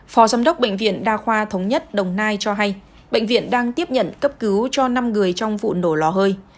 phó giám đốc bệnh viện đa khoa thống nhất đồng nai cho hay bệnh viện đang tiếp nhận cấp cứu cho năm người trong vụ nổ lò hơi